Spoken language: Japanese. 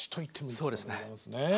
そうですね。